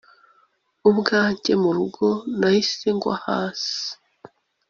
ubwange murugo nahise ngwa hasi